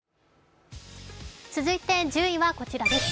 続いて１０位はこちらです。